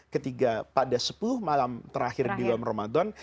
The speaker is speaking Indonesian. ketika pada sepuluh malam terakhir di bulan ramadan